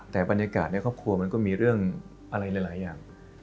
แต่บรรยากาศในครอบครัวมันก็มีเรื่องอะไรหลายอย่าง